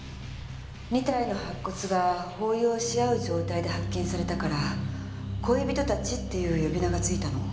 ２体の白骨が抱擁しあう状態で発見されたから「恋人たち」っていう呼び名がついたの。